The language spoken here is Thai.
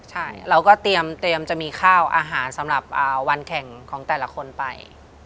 ใช่เราก็เตรียมจะมีข้าวอาหารสำหรับวันแข่งของแต่ละคนไป